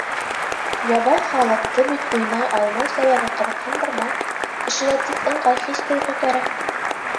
Ябай халыҡты бит уйнай алмау сәбәбе ҡыҙыҡһындырмай, кешегә тик ыңғай хис-тойғо кәрәк!